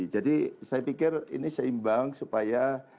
jadi saya pikir ini seimbang supaya